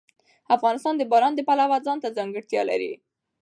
افغانستان د باران د پلوه ځانته ځانګړتیا لري.